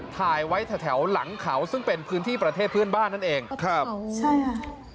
ถ่ายไว้แถวแถวหลังเขาซึ่งเป็นพื้นที่ประเทศเพื่อนบ้านนั่นเองครับใช่ค่ะ